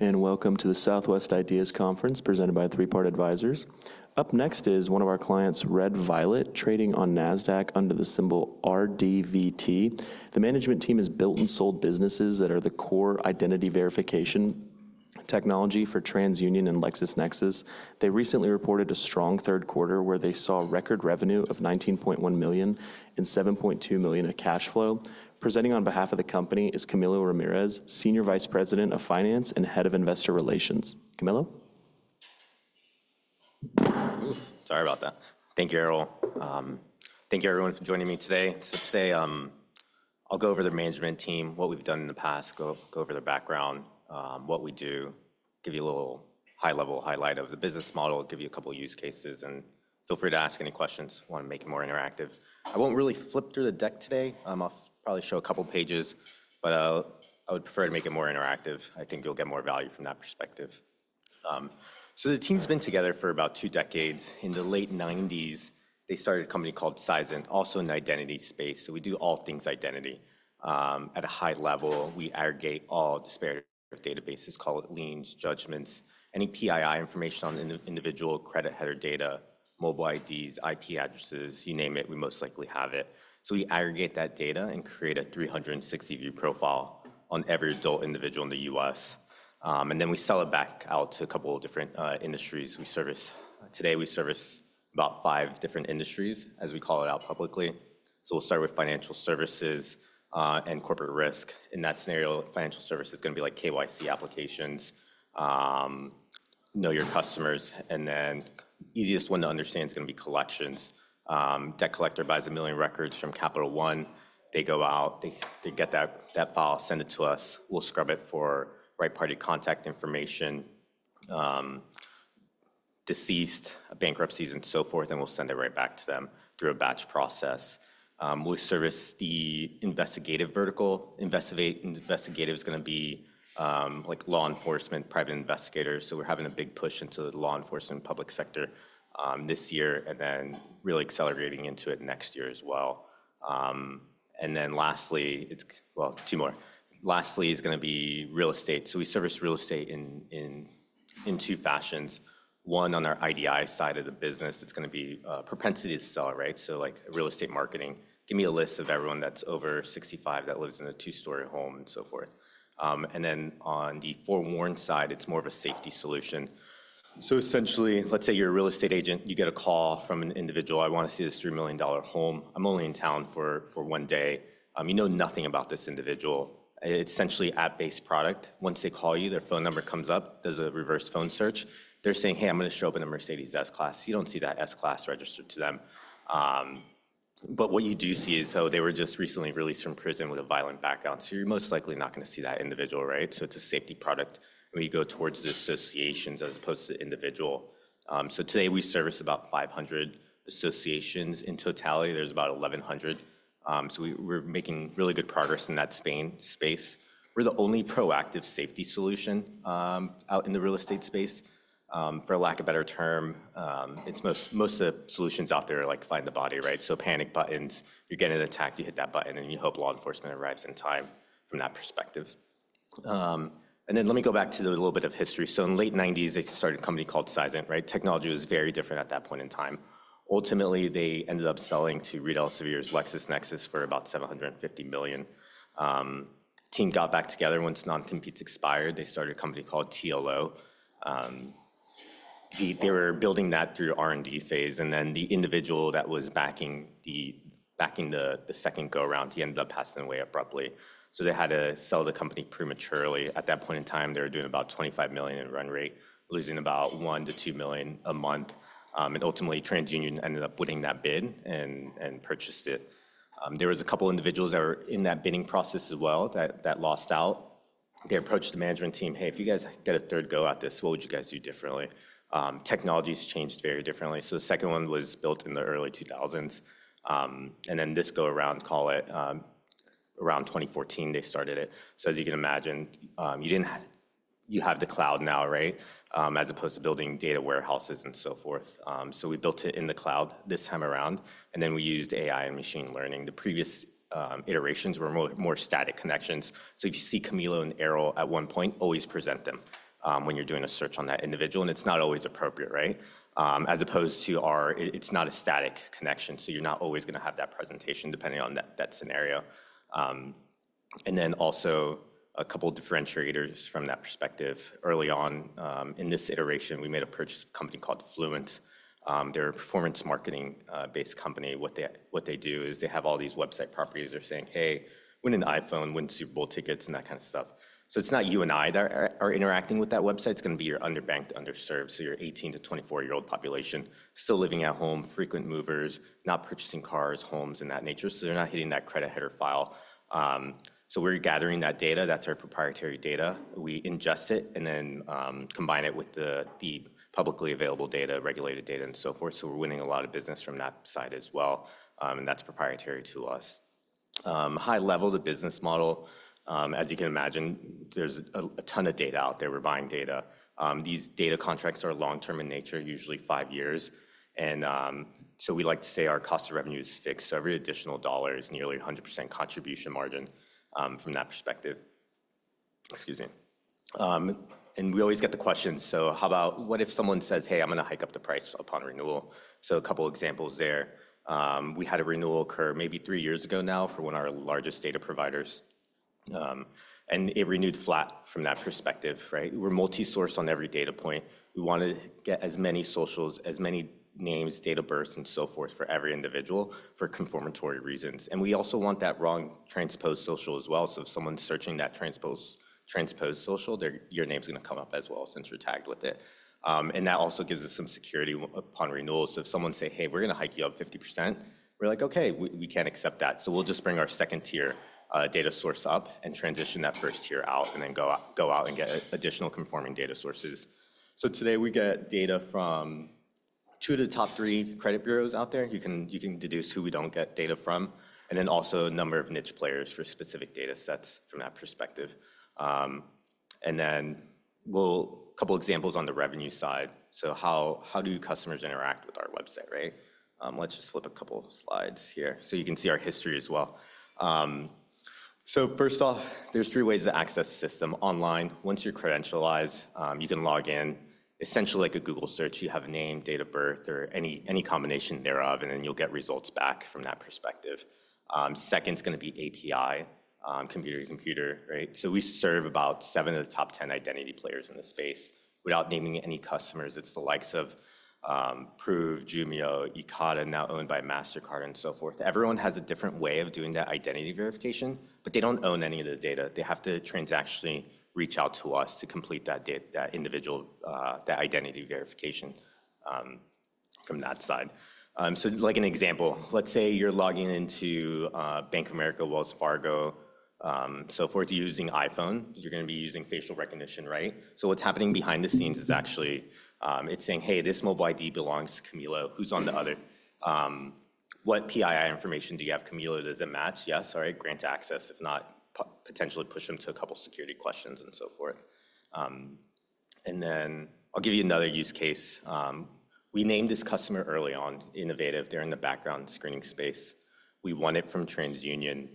Welcome to the Southwest Ideas Conference, presented by Three Part Advisors. Up next is one of our clients, Red Violet, trading on NASDAQ under the symbol RDVT. The management team has built and sold businesses that are the core identity verification technology for TransUnion and LexisNexis. They recently reported a strong third quarter, where they saw record revenue of $19.1 million and $7.2 million in cash flow. Presenting on behalf of the company is Camilo Ramirez, Senior Vice President of Finance and Head of Investor Relations. Camilo? Sorry about that. Thank you, Errol. Thank you, everyone, for joining me today. Today, I'll go over the management team, what we've done in the past, go over their background, what we do, give you a little high-level highlight of the business model, give you a couple of use cases, and feel free to ask any questions if you want to make it more interactive. I won't really flip through the deck today. I'll probably show a couple of pages, but I would prefer to make it more interactive. I think you'll get more value from that perspective. The team's been together for about two decades. In the late 1990s, they started a company called Seisint, also in the identity space. We do all things identity. At a high level, we aggregate all disparate databases, call it liens, judgments, any PII information on individual credit header data, mobile IDs, IP addresses, you name it, we most likely have it, so we aggregate that data and create a 360-view profile on every adult individual in the U.S., and then we sell it back out to a couple of different industries. Today, we service about five different industries, as we call it out publicly, so we'll start with financial services and corporate risk. In that scenario, financial service is going to be like KYC applications, know your customers, and then the easiest one to understand is going to be collections. Debt collector buys a million records from Capital One. They go out, they get that file, send it to us. We'll scrub it for right-party contact information, deceased, bankruptcies, and so forth, and we'll send it right back to them through a batch process. We service the investigative vertical. Investigative is going to be like law enforcement, private investigators, so we're having a big push into the law enforcement public sector this year and then really accelerating into it next year as well, and then lastly, well, two more. Lastly is going to be real estate, so we service real estate in two fashions. One, on our IDI side of the business, it's going to be propensity to sell, right? So like real estate marketing. Give me a list of everyone that's over 65 that lives in a two-story home and so forth, and then on the FOREWARN side, it's more of a safety solution, so essentially, let's say you're a real estate agent. You get a call from an individual, "I want to see this $3 million home. I'm only in town for one day." You know nothing about this individual. It's essentially app-based product. Once they call you, their phone number comes up, does a reverse phone search. They're saying, "Hey, I'm going to show up in a Mercedes S-Class." You don't see that S-Class registered to them. But what you do see is, so they were just recently released from prison with a violent background. So you're most likely not going to see that individual, right? So it's a safety product. And we go towards the associations as opposed to the individual. So today, we service about 500 associations in totality. There's about 1,100. So we're making really good progress in that space. We're the only proactive safety solution out in the real estate space, for lack of a better term. Most of the solutions out there are like find the body, right? So panic buttons, you're getting attacked, you hit that button, and you hope law enforcement arrives in time from that perspective. And then let me go back to a little bit of history. So in the late 1990s, they started a company called Seisint, right? Technology was very different at that point in time. Ultimately, they ended up selling to Reed Elsevier's LexisNexis for about $750 million. Team got back together. Once non-compete expired, they started a company called TLO. They were building that through the R&D phase. And then the individual that was backing the second go-around, he ended up passing away abruptly. So they had to sell the company prematurely. At that point in time, they were doing about $25 million in run rate, losing about $1-$2 million a month. Ultimately, TransUnion ended up winning that bid and purchased it. There were a couple of individuals that were in that bidding process as well that lost out. They approached the management team, "Hey, if you guys get a third go at this, what would you guys do differently?" Technology has changed very differently. So the second one was built in the early 2000s. And then this go-around, call it around 2014, they started it. So as you can imagine, you have the cloud now, right, as opposed to building data warehouses and so forth. So we built it in the cloud this time around. And then we used AI and machine learning. The previous iterations were more static connections. So if you see Camilo and Errol at one point, always present them when you're doing a search on that individual. And it's not always appropriate, right? As opposed to ours, it's not a static connection, so you're not always going to have that presentation depending on that scenario. And then also a couple of differentiators from that perspective. Early on in this iteration, we made a purchase company called Fluent. They're a performance marketing-based company. What they do is they have all these website properties. They're saying, "Hey, win an iPhone, win Super Bowl tickets," and that kind of stuff. So it's not you and I that are interacting with that website. It's going to be your underbanked, underserved. So your 18- to 24-year-old population, still living at home, frequent movers, not purchasing cars, homes, and that nature. So we're gathering that data. That's our proprietary data. We ingest it and then combine it with the publicly available data, regulated data, and so forth. So we're winning a lot of business from that side as well. And that's proprietary to us. High level of the business model. As you can imagine, there's a ton of data out there. We're buying data. These data contracts are long-term in nature, usually five years. And so we like to say our cost of revenue is fixed. So every additional dollar is nearly 100% contribution margin from that perspective. Excuse me. And we always get the question, so how about what if someone says, "Hey, I'm going to hike up the price upon renewal"? So a couple of examples there. We had a renewal occur maybe three years ago now for one of our largest data providers. And it renewed flat from that perspective, right? We're multi-source on every data point. We want to get as many socials, as many names, dates of birth, and so forth for every individual for confirmatory reasons. And we also want that wrong transposed social as well. So if someone's searching that transposed social, your name's going to come up as well since you're tagged with it. And that also gives us some security upon renewal. So if someone says, "Hey, we're going to hike you up 50%," we're like, "Okay, we can't accept that." So we'll just bring our second-tier data source up and transition that first tier out and then go out and get additional conforming data sources. So today, we get data from two of the top three credit bureaus out there. You can deduce who we don't get data from. And then also a number of niche players for specific data sets from that perspective. And then a couple of examples on the revenue side. So how do customers interact with our website, right? Let's just flip a couple of slides here so you can see our history as well. So first off, there's three ways to access the system. Online, once you're credentialized, you can log in, essentially like a Google search. You have a name, date of birth, or any combination thereof, and then you'll get results back from that perspective. Second's going to be API, computer to computer, right? So we serve about seven of the top 10 identity players in the space. Without naming any customers, it's the likes of Proof, Jumio, Ekata, now owned by Mastercard and so forth. Everyone has a different way of doing that identity verification, but they don't own any of the data. They have to transactionally reach out to us to complete that individual, that identity verification from that side. So like an example, let's say you're logging into Bank of America, Wells Fargo, so forth, using iPhone. You're going to be using facial recognition, right? So what's happening behind the scenes is actually it's saying, "Hey, this mobile ID belongs to Camilo. Who's on the other? What PII information do you have? Camilo, does it match?" Yeah, sorry, grant access. If not, potentially push them to a couple of security questions and so forth. And then I'll give you another use case. We named this customer early on, Innovative. They're in the background screening space. We won it from TransUnion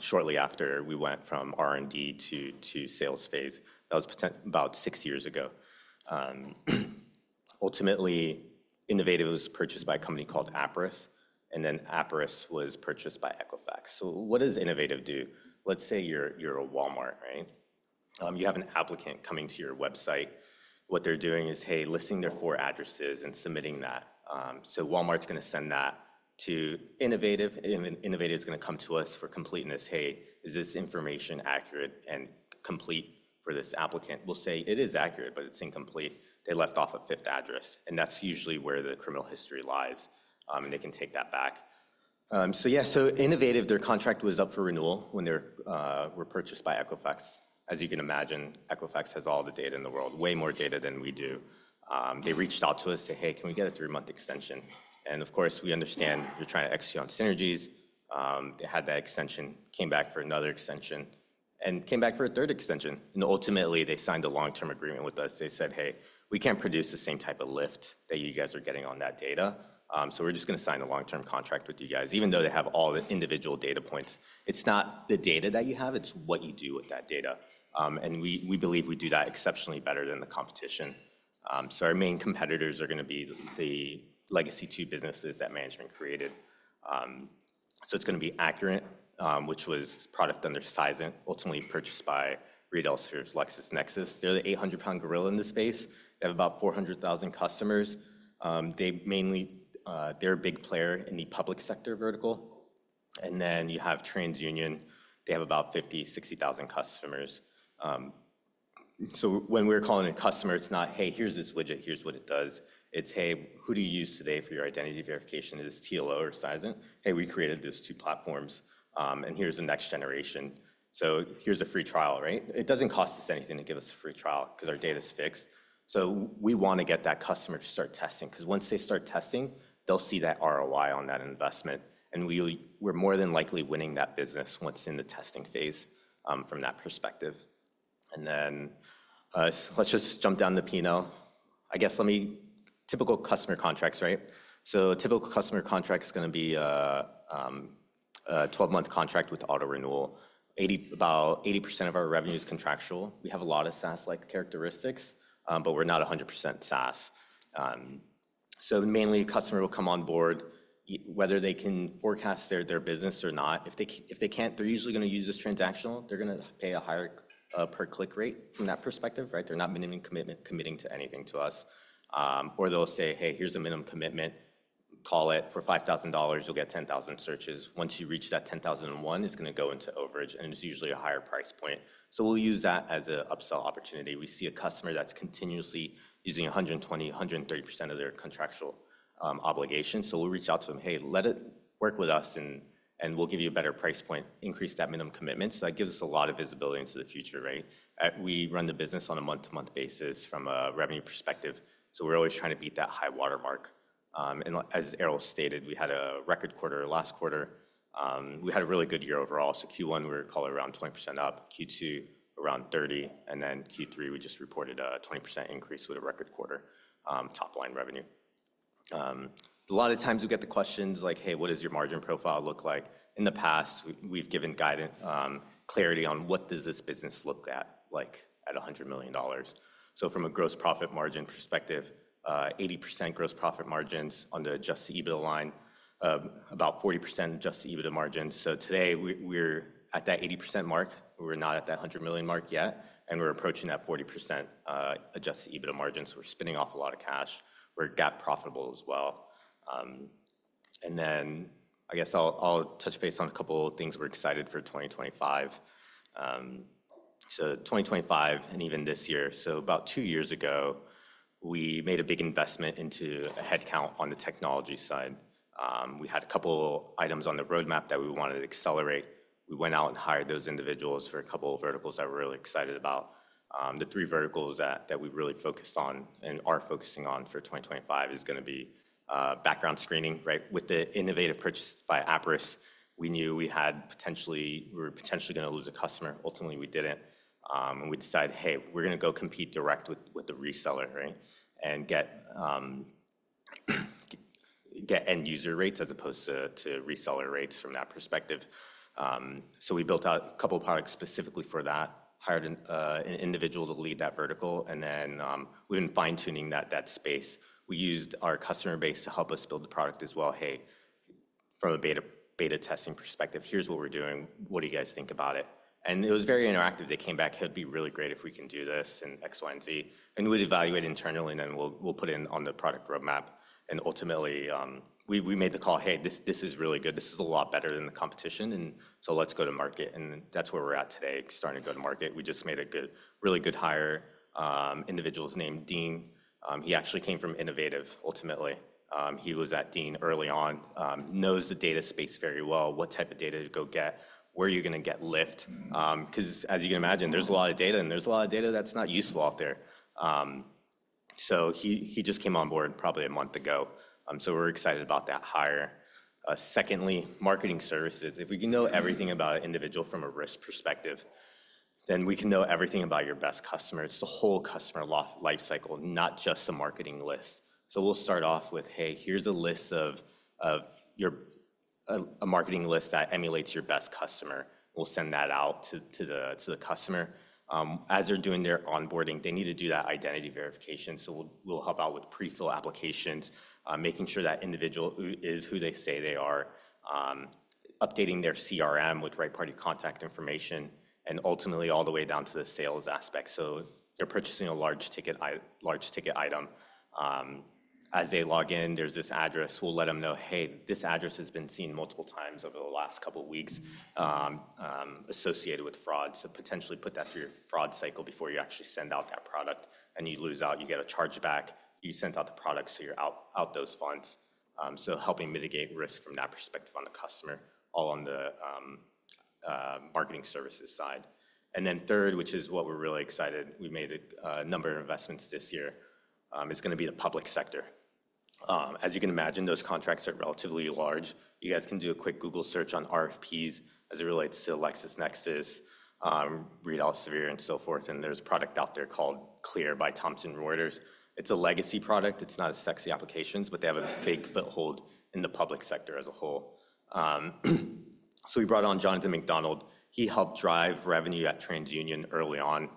shortly after we went from R&D to sales phase. That was about six years ago. Ultimately, Innovative was purchased by a company called Appriss, and then Appriss was purchased by Equifax. What does Innovative do? Let's say you're a Walmart, right? You have an applicant coming to your website. What they're doing is, "Hey, listing their four addresses and submitting that." So Walmart's going to send that to Innovative, and Innovative's going to come to us for completeness, "Hey, is this information accurate and complete for this applicant?" We'll say, "It is accurate, but it's incomplete. They left off a fifth address." And that's usually where the criminal history lies, and they can take that back. So yeah, so Innovative, their contract was up for renewal when they were purchased by Equifax. As you can imagine, Equifax has all the data in the world, way more data than we do. They reached out to us, said, "Hey, can we get a three-month extension?" And of course, we understand you're trying to execute on synergies. They had that extension, came back for another extension, and came back for a third extension. And ultimately, they signed a long-term agreement with us. They said, "Hey, we can't produce the same type of lift that you guys are getting on that data. So we're just going to sign a long-term contract with you guys." Even though they have all the individual data points, it's not the data that you have. It's what you do with that data. And we believe we do that exceptionally better than the competition. So our main competitors are going to be the legacy two businesses that management created. So it's going to be Accurate, which was product under Seisint, ultimately purchased by Reed Elsevier's LexisNexis. They're the 800-pound gorilla in this space. They have about 400,000 customers. They're a big player in the public sector vertical. And then you have TransUnion. They have about 50,000-60,000 customers. So when we're calling a customer, it's not, "Hey, here's this widget. Here's what it does." It's, "Hey, who do you use today for your identity verification? Is this TLO or Seisint?" "Hey, we created those two platforms, and here's the next generation. So here's a free trial, right?" It doesn't cost us anything to give us a free trial because our data is fixed. So we want to get that customer to start testing because once they start testing, they'll see that ROI on that investment. And we're more than likely winning that business once in the testing phase from that perspective. And then let's just jump down the page now. I guess typical customer contracts, right? So typical customer contract is going to be a 12-month contract with auto renewal. About 80% of our revenue is contractual. We have a lot of SaaS-like characteristics, but we're not 100% SaaS. So mainly a customer will come on board, whether they can forecast their business or not. If they can't, they're usually going to use this transactional. They're going to pay a higher per-click rate from that perspective, right? They're not minimum committing to anything to us. Or they'll say, "Hey, here's a minimum commitment. Call it for $5,000. You'll get 10,000 searches." Once you reach that 10,001, it's going to go into overage, and it's usually a higher price point. So we'll use that as an upsell opportunity. We see a customer that's continuously using 120%-130% of their contractual obligation. So we'll reach out to them, "Hey, let it work with us, and we'll give you a better price point, increase that minimum commitment." So that gives us a lot of visibility into the future, right? We run the business on a month-to-month basis from a revenue perspective, so we're always trying to beat that high watermark, and as Errol stated, we had a record quarter. Last quarter, we had a really good year overall, so Q1, we were calling around 20% up. Q2, around 30%. And then Q3, we just reported a 20% increase with a record quarter top-line revenue. A lot of times we get the questions like, "Hey, what does your margin profile look like?" In the past, we've given guidance clarity on what does this business look at at $100 million. So from a gross profit margin perspective, 80% gross profit margins on the Adjusted EBITDA line, about 40% Adjusted EBITDA margins, so today, we're at that 80% mark. We're not at that 100 million mark yet, and we're approaching that 40% Adjusted EBITDA margin. So we're spinning off a lot of cash. We're GAAP profitable as well. And then I guess I'll touch base on a couple of things we're excited for 2025. So 2025 and even this year. So about two years ago, we made a big investment into a headcount on the technology side. We had a couple of items on the roadmap that we wanted to accelerate. We went out and hired those individuals for a couple of verticals that we're really excited about. The three verticals that we really focused on and are focusing on for 2025 is going to be background screening, right? With the Innovative purchase by Appriss, we knew we were potentially going to lose a customer. Ultimately, we didn't. And we decided, "Hey, we're going to go compete direct with the reseller, right?" And get end-user rates as opposed to reseller rates from that perspective. We built out a couple of products specifically for that, hired an individual to lead that vertical, and then we've been fine-tuning that space. We used our customer base to help us build the product as well. "Hey, from a beta testing perspective, here's what we're doing. What do you guys think about it?" And it was very interactive. They came back, "It'd be really great if we can do this and X, Y, and Z." And we'd evaluate internally, and then we'll put it on the product roadmap. And ultimately, we made the call, "Hey, this is really good. This is a lot better than the competition. And so let's go to market." And that's where we're at today, starting to go to market. We just made a really good hire. The individual's named Dean. He actually came from Innovative, ultimately. He was at teen early on, knows the data space very well, what type of data to go get, where you're going to get lift. Because as you can imagine, there's a lot of data, and there's a lot of data that's not useful out there. So he just came on board probably a month ago. So we're excited about that hire. Secondly, marketing services. If we can know everything about an individual from a risk perspective, then we can know everything about your best customer. It's the whole customer lifecycle, not just a marketing list. So we'll start off with, "Hey, here's a list of a marketing list that emulates your best customer." We'll send that out to the customer. As they're doing their onboarding, they need to do that identity verification. So we'll help out with prefill applications, making sure that individual is who they say they are, updating their CRM with third-party contact information, and ultimately all the way down to the sales aspect. So they're purchasing a large ticket item. As they log in, there's this address. We'll let them know, "Hey, this address has been seen multiple times over the last couple of weeks associated with fraud." So potentially put that through your fraud cycle before you actually send out that product. And you lose out. You get a chargeback. You sent out the product, so you're out those funds. So helping mitigate risk from that perspective on the customer, all on the marketing services side. And then third, which is what we're really excited, we made a number of investments this year, is going to be the public sector. As you can imagine, those contracts are relatively large. You guys can do a quick Google search on RFPs as it relates to LexisNexis, Red Violet, Seisint, and so forth. And there's a product out there called CLEAR by Thomson Reuters. It's a legacy product. It's not a sexy applications, but they have a big foothold in the public sector as a whole. So we brought on Jonathan McDonald. He helped drive revenue at TransUnion early on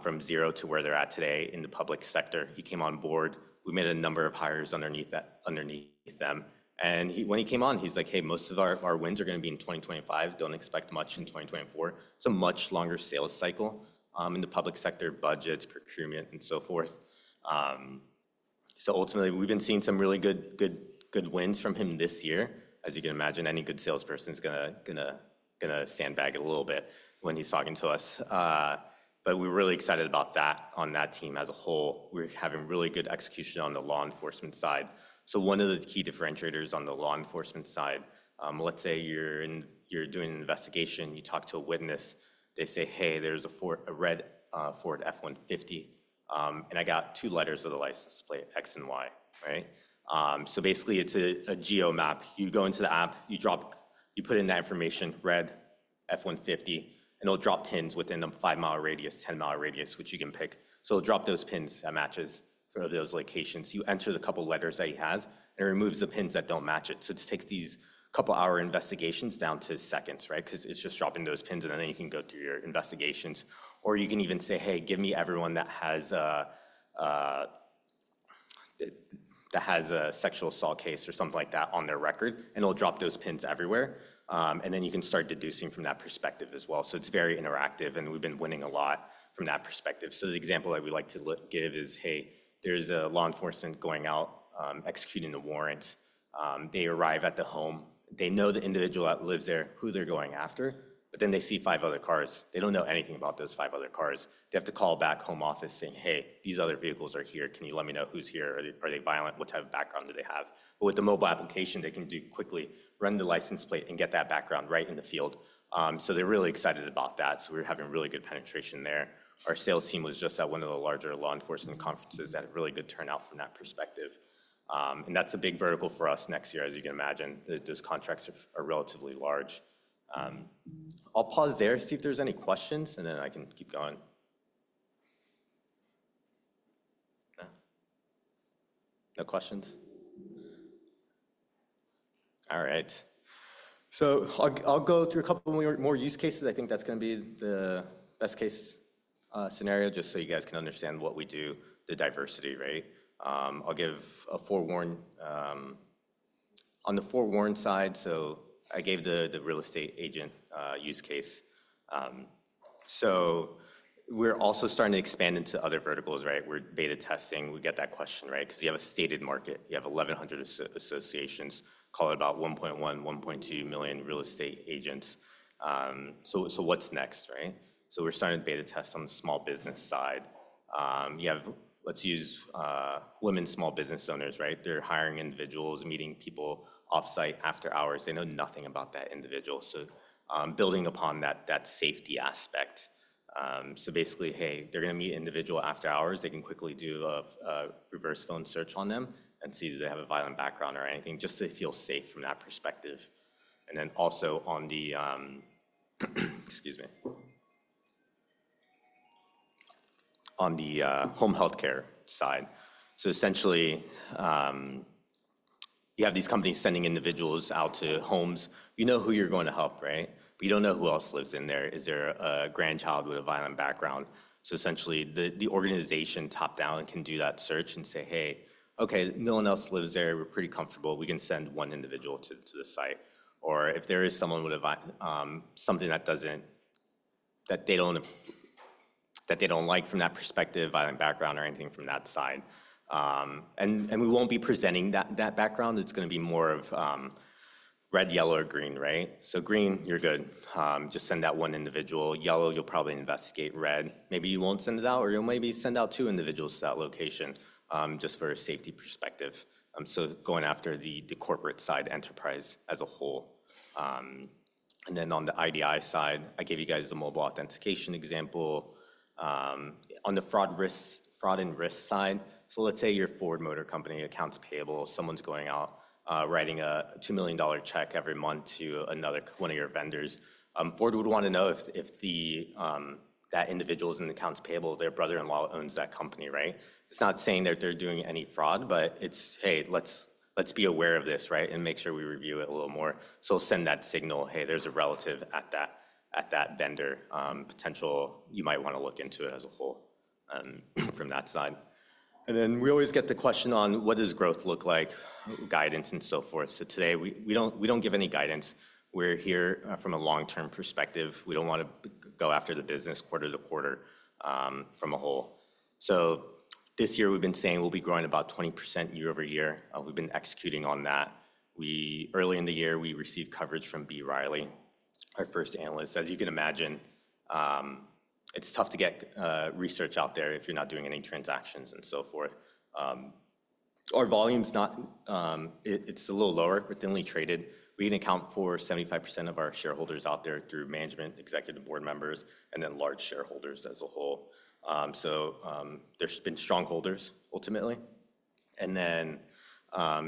from zero to where they're at today in the public sector. He came on board. We made a number of hires underneath them. And when he came on, he's like, "Hey, most of our wins are going to be in 2025. Don't expect much in 2024." It's a much longer sales cycle in the public sector, budgets, procurement, and so forth. So ultimately, we've been seeing some really good wins from him this year. As you can imagine, any good salesperson is going to sandbag it a little bit when he's talking to us. But we're really excited about that on that team as a whole. We're having really good execution on the law enforcement side. So one of the key differentiators on the law enforcement side, let's say you're doing an investigation, you talk to a witness, they say, "Hey, there's a red Ford F-150, and I got two letters of the license plate, X and Y," right? So basically, it's a geo map. You go into the app, you put in that information, red F-150, and it'll drop pins within a five-mile radius, 10-mile radius, which you can pick. So it'll drop those pins that match those locations. You enter the couple of letters that he has, and it removes the pins that don't match it. So it takes these couple-hour investigations down to seconds, right? Because it's just dropping those pins, and then you can go through your investigations. Or you can even say, "Hey, give me everyone that has a sexual assault case or something like that on their record," and it'll drop those pins everywhere, and then you can start deducing from that perspective as well, so it's very interactive, and we've been winning a lot from that perspective, so the example I would like to give is, "Hey, there's a law enforcement going out, executing a warrant. They arrive at the home. They know the individual that lives there, who they're going after, but then they see five other cars. They don't know anything about those five other cars. They have to call back home office saying, "Hey, these other vehicles are here. Can you let me know who's here? Are they violent? What type of background do they have?" But with the mobile application, they can do quickly, run the license plate, and get that background right in the field. So they're really excited about that. So we're having really good penetration there. Our sales team was just at one of the larger law enforcement conferences that had really good turnout from that perspective. And that's a big vertical for us next year, as you can imagine. Those contracts are relatively large. I'll pause there, see if there's any questions, and then I can keep going. No questions? All right. So I'll go through a couple more use cases. I think that's going to be the best-case scenario, just so you guys can understand what we do, the diversity, right? I'll give a FOREWARN on the FOREWARN side. So I gave the real estate agent use case. So we're also starting to expand into other verticals, right? We're beta testing. We get that question, right? Because you have a stated market. You have 1,100 associations. Call it about 1.1-1.2 million real estate agents. So what's next, right? So we're starting to beta test on the small business side. Let's use women small business owners, right? They're hiring individuals, meeting people off-site after hours. They know nothing about that individual. So building upon that safety aspect. So basically, hey, they're going to meet an individual after hours. They can quickly do a reverse phone search on them and see if they have a violent background or anything, just so they feel safe from that perspective. And then also, excuse me, on the home healthcare side. So essentially, you have these companies sending individuals out to homes. You know who you're going to help, right? But you don't know who else lives in there. Is there a grandchild with a violent background? So essentially, the organization top-down can do that search and say, "Hey, okay, no one else lives there. We're pretty comfortable. We can send one individual to the site." Or if there is someone with something that they don't like from that perspective, violent background or anything from that side. And we won't be presenting that background. It's going to be more of red, yellow, or green, right? So green, you're good. Just send that one individual. Yellow, you'll probably investigate. Red, maybe you won't send it out, or you'll maybe send out two individuals to that location just for a safety perspective. So going after the corporate side, enterprise as a whole. And then on the IDI side, I gave you guys the mobile authentication example. On the fraud and risk side, so let's say you're a Ford Motor Company, accounts payable. Someone's going out writing a $2 million check every month to one of your vendors. Ford would want to know if that individual's an accounts payable, their brother-in-law owns that company, right? It's not saying that they're doing any fraud, but it's, "Hey, let's be aware of this, right, and make sure we review it a little more." So send that signal, "Hey, there's a relative at that vendor. Potential, you might want to look into it as a whole from that side." And then we always get the question on, "What does growth look like? Guidance and so forth." So today, we don't give any guidance. We're here from a long-term perspective. We don't want to go after the business quarter to quarter from a whole. So this year, we've been saying we'll be growing about 20% year over year. We've been executing on that. Early in the year, we received coverage from B. Riley, our first analyst. As you can imagine, it's tough to get research out there if you're not doing any transactions and so forth. Our volume's not, it's a little lower, but then we traded. We can account for 75% of our shareholders out there through management, executive board members, and then large shareholders as a whole. So there's been strong holders, ultimately. A lot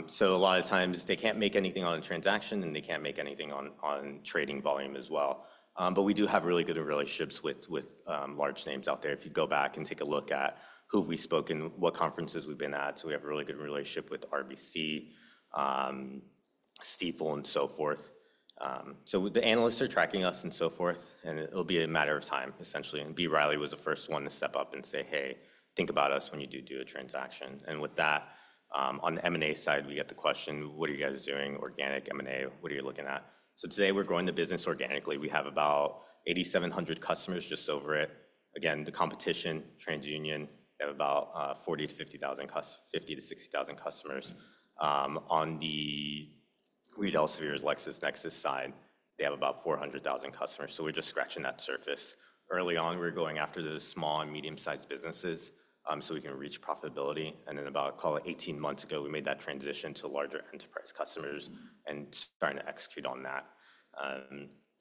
of times, they can't make anything on a transaction, and they can't make anything on trading volume as well. But we do have really good relationships with large names out there. If you go back and take a look at who we've spoken, what conferences we've been at. We have a really good relationship with RBC, Stifel, and so forth. The analysts are tracking us and so forth, and it'll be a matter of time, essentially. B. Riley was the first one to step up and say, "Hey, think about us when you do do a transaction." With that, on the M&A side, we get the question, "What are you guys doing? Organic M&A? What are you looking at?" Today, we're growing the business organically. We have about 8,700 customers, just over it. Again, the competition, TransUnion, they have about 40,000-50,000, 50,000-60,000 customers. On the Red Violet versus LexisNexis side, they have about 400,000 customers. So we're just scratching that surface. Early on, we're going after those small and medium-sized businesses so we can reach profitability. And then about, call it 18 months ago, we made that transition to larger enterprise customers and starting to execute on that.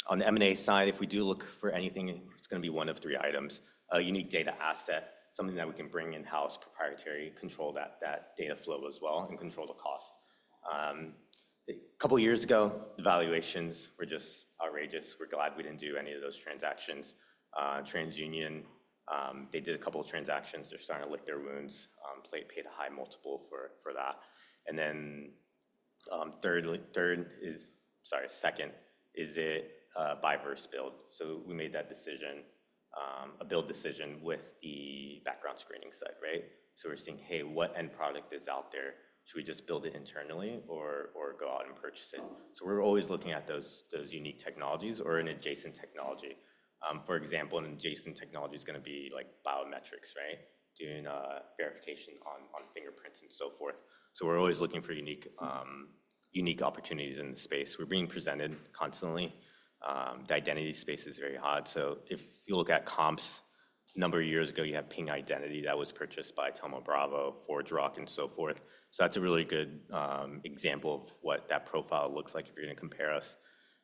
On the M&A side, if we do look for anything, it's going to be one of three items: a unique data asset, something that we can bring in-house, proprietary, control that data flow as well, and control the cost. A couple of years ago, the valuations were just outrageous. We're glad we didn't do any of those transactions. TransUnion, they did a couple of transactions. They're starting to lick their wounds. They paid a high multiple for that. And then third is, sorry, second is a buy versus build. So we made that decision, a build decision with the background screening side, right? So we're seeing, "Hey, what end product is out there? Should we just build it internally or go out and purchase it?" So we're always looking at those unique technologies or an adjacent technology. For example, an adjacent technology is going to be biometrics, right? Doing verification on fingerprints and so forth. So we're always looking for unique opportunities in the space. We're being presented constantly. The identity space is very hot. So if you look at comps, a number of years ago, you have Ping Identity that was purchased by Thoma Bravo, ForgeRock, and so forth. So that's a really good example of what that profile looks like if you're going to compare us.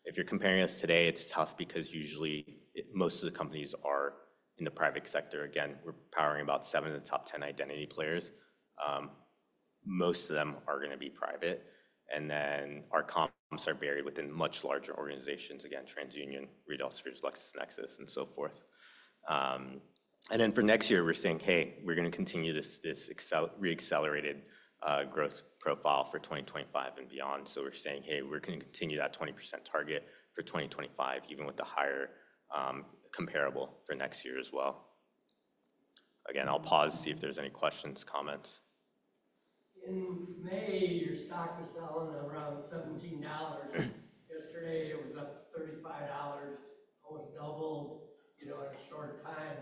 If you're comparing us today, it's tough because usually most of the companies are in the private sector. Again, we're powering about seven of the top 10 identity players. Most of them are going to be private. And then our comps are buried within much larger organizations. Again, TransUnion, Red Violet, Seisint, LexisNexis, and so forth. And then for next year, we're saying, "Hey, we're going to continue this re-accelerated growth profile for 2025 and beyond." So we're saying, "Hey, we're going to continue that 20% target for 2025, even with the higher comparable for next year as well." Again, I'll pause to see if there's any questions, comments. In May, your stock was selling around $17. Yesterday, it was up $35, almost doubled in a short time.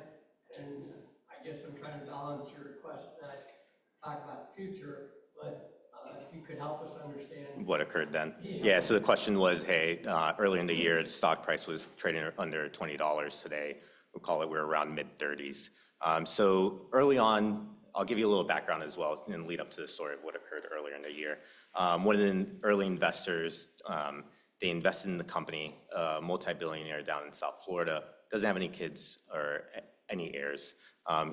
And I guess I'm trying to balance your request that I talk about the future, but if you could help us understand. What occurred then. Yeah. So the question was, "Hey, early in the year, the stock price was trading under $20 today." We'll call it we're around mid-30s. So early on, I'll give you a little background as well and lead up to the story of what occurred earlier in the year. One of the early investors, they invested in the company, a multi-billionaire down in South Florida. Doesn't have any kids or any heirs.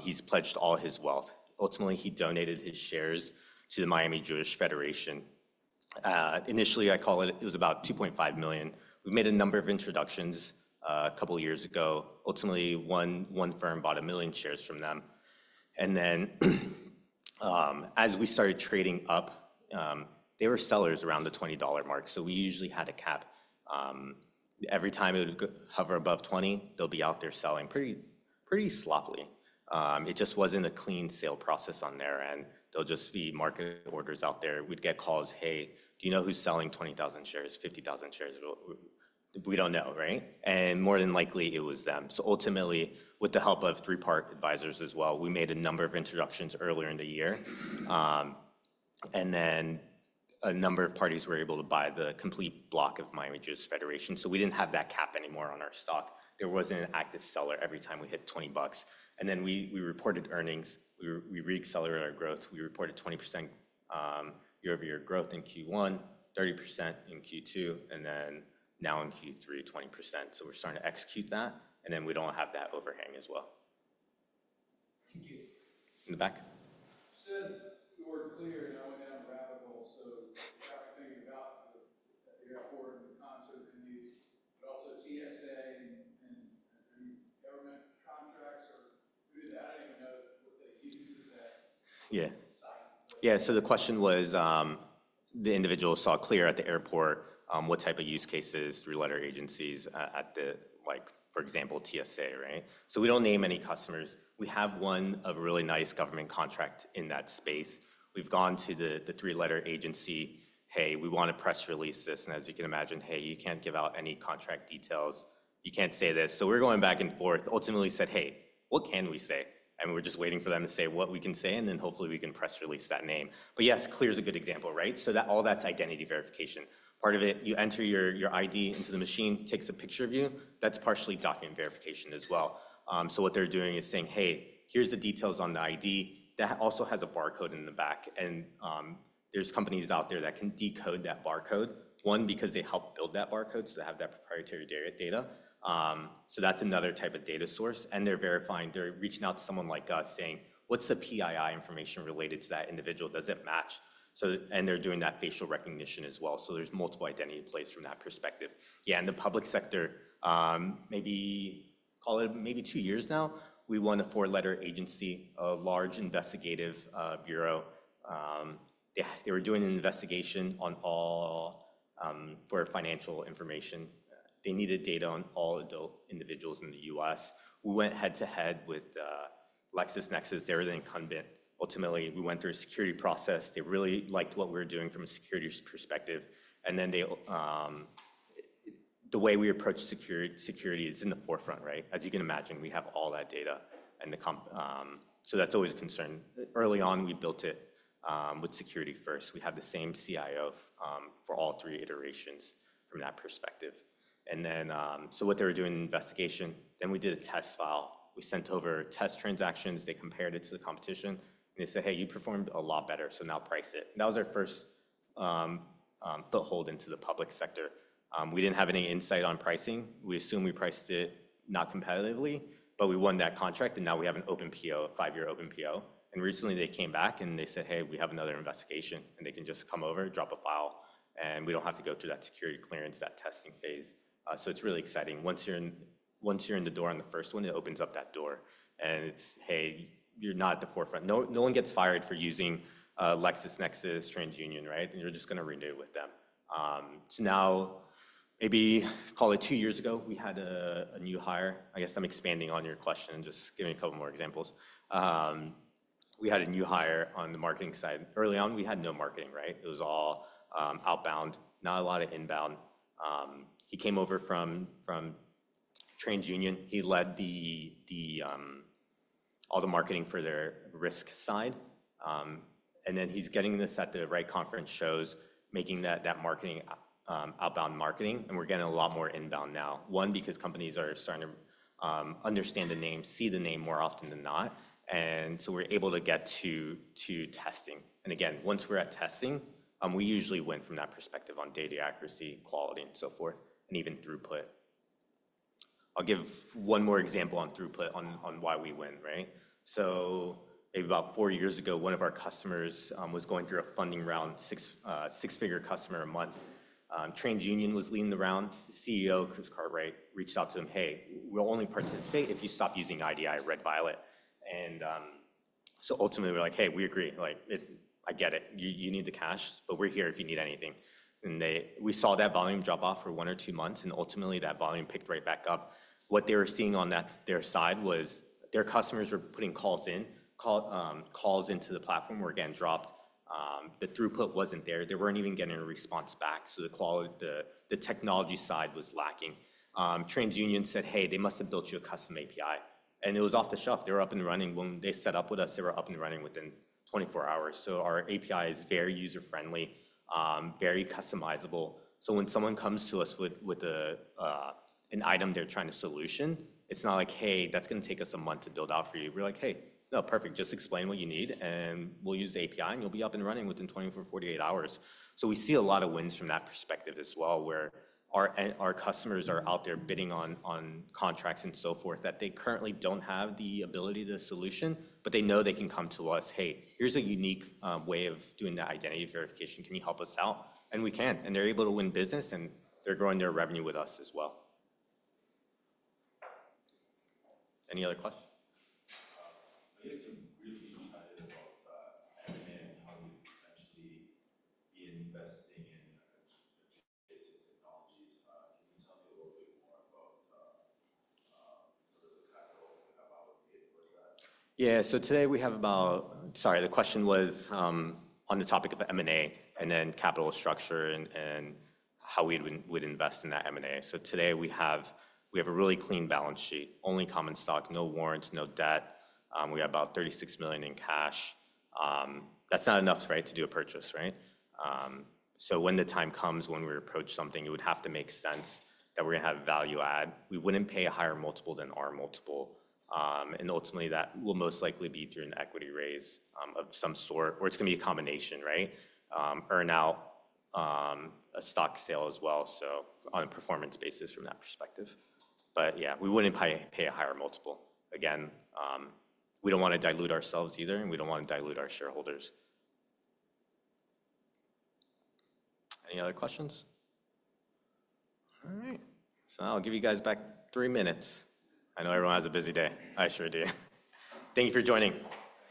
He's pledged all his wealth. Ultimately, he donated his shares to the Greater Miami Jewish Federation. Initially, I call it it was about 2.5 million. We made a number of introductions a couple of years ago. Ultimately, one firm bought a million shares from them. And then as we started trading up, they were sellers around the $20 mark. So we usually had a cap. Every time it would hover above $20, they'll be out there selling pretty sloppily. It just wasn't a clean sale process on their end. There'll just be market orders out there. We'd get calls, "Hey, do you know who's selling 20,000 shares, 50,000 shares?" We don't know, right? And more than likely, it was them. So ultimately, with the help of Three Part Advisors as well, we made a number of introductions earlier in the year. And then a number of parties were able to buy the complete block of Miami Jewish Federation. So we didn't have that cap anymore on our stock. There wasn't an active seller every time we hit $20. And then we reported earnings. We re-accelerated our growth. We reported 20% year-over-year growth in Q1, 30% in Q2, and then now in Q3, 20%. So we're starting to execute that, and then we don't have that overhang as well. Thank you. In the back. Said you weren't clear, and I went down to Radical. So I was thinking about the airport and the concert venue, but also TSA, [inaudible] Yeah. So the question was the individual saw CLEAR at the airport what type of use cases, three-letter agencies at the, for example, TSA, right? So we don't name any customers. We have one of a really nice government contract in that space. We've gone to the three-letter agency, "Hey, we want to press release this." And as you can imagine, "Hey, you can't give out any contract details. You can't say this." So we're going back and forth. Ultimately, we said, "Hey, what can we say?" and we're just waiting for them to say what we can say, and then hopefully we can press release that name, but yes, CLEAR is a good example, right? So all that's identity verification. Part of it, you enter your ID into the machine, takes a picture of you. That's partially document verification as well, so what they're doing is saying, "Hey, here's the details on the ID." That also has a barcode in the back, and there's companies out there that can decode that barcode, one, because they help build that barcode, so they have that proprietary data. So that's another type of data source, and they're verifying. They're reaching out to someone like us saying, "What's the PII information related to that individual? Does it match?" and they're doing that facial recognition as well. So there's multiple identity plays from that perspective. Yeah, in the public sector, maybe call it maybe two years now, we won a four-letter agency, a large investigative bureau. They were doing an investigation for financial information. They needed data on all adult individuals in the U.S. We went head-to-head with LexisNexis. They were the incumbent. Ultimately, we went through a security process. They really liked what we were doing from a security perspective. And then the way we approach security is in the forefront, right? As you can imagine, we have all that data. So that's always a concern. Early on, we built it with security first. We had the same CIO for all three iterations from that perspective. And then so what they were doing in investigation, then we did a test file. We sent over test transactions. They compared it to the competition, and they said, "Hey, you performed a lot better, so now price it." That was our first foothold into the public sector. We didn't have any insight on pricing. We assume we priced it not competitively, but we won that contract, and now we have an open PO, a five-year open PO. And recently, they came back and they said, "Hey, we have another investigation," and they can just come over, drop a file, and we don't have to go through that security clearance, that testing phase. So it's really exciting. Once you're in the door on the first one, it opens up that door. And it's, "Hey, you're not at the forefront." No one gets fired for using LexisNexis, TransUnion, right? And you're just going to renew with them. So now, maybe call it two years ago, we had a new hire. I guess I'm expanding on your question, just giving a couple more examples. We had a new hire on the marketing side. Early on, we had no marketing, right? It was all outbound, not a lot of inbound. He came over from TransUnion. He led all the marketing for their risk side. And then he's getting this at the right conference shows, making that outbound marketing, and we're getting a lot more inbound now. One, because companies are starting to understand the name, see the name more often than not. And so we're able to get to testing. And again, once we're at testing, we usually win from that perspective on data accuracy, quality, and so forth, and even throughput. I'll give one more example on throughput on why we win, right? So maybe about four years ago, one of our customers was going through a funding round, six-figure customer a month. TransUnion was leading the round. The CEO, Chris Cartwright, reached out to them, "Hey, we'll only participate if you stop using IDI Red Violet." And so ultimately, we're like, "Hey, we agree. I get it. You need the cash, but we're here if you need anything." And we saw that volume drop off for one or two months, and ultimately, that volume picked right back up. What they were seeing on their side was their customers were putting calls in. Calls into the platform were, again, dropped. The throughput wasn't there. They weren't even getting a response back. So the technology side was lacking. TransUnion said, "Hey, they must have built you a custom API." And it was off the shelf. They were up and running. When they set up with us, they were up and running within 24 hours. So our API is very user-friendly, very customizable. So when someone comes to us with an item they're trying to solution, it's not like, "Hey, that's going to take us a month to build out for you." We're like, "Hey, no, perfect. Just explain what you need, and we'll use the API, and you'll be up and running within 24, 48 hours." So we see a lot of wins from that perspective as well, where our customers are out there bidding on contracts and so forth that they currently don't have the ability to solution, but they know they can come to us, "Hey, here's a unique way of doing that identity verification. Can you help us out?" And we can. And they're able to win business, and they're growing their revenue with us as well. Any other questions? Yeah. So today we have about, sorry, the question was on the topic of M&A and then capital structure and how we would invest in that M&A. So today we have a really clean balance sheet, only common stock, no warrants, no debt. We have about $36 million in cash. That's not enough, right, to do a purchase, right? So when the time comes, when we approach something, it would have to make sense that we're going to have value-add. We wouldn't pay a higher multiple than our multiple. And ultimately, that will most likely be through an equity raise of some sort, or it's going to be a combination, right? Earn out a stock sale as well, so on a performance basis from that perspective. But yeah, we wouldn't pay a higher multiple. Again, we don't want to dilute ourselves either, and we don't want to dilute our shareholders. Any other questions? All right. So now I'll give you guys back three minutes. I know everyone has a busy day. I sure do. Thank you for joining.